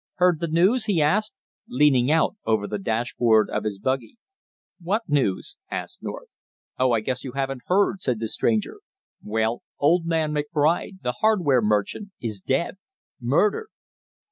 "Heard the news?" he asked, leaning out over the dash board of his buggy. "What news?" asked North. "Oh, I guess you haven't heard!" said the stranger. "Well, old man McBride, the hardware merchant, is dead! Murdered!"